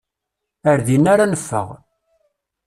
Ar dinna ara neffeɣ.